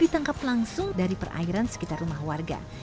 ditangkap langsung dari perairan sekitar rumah warga